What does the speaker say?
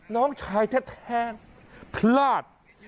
น้องชายแท้พลาด